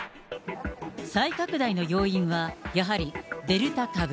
再拡大の要因は、やはりデルタ株。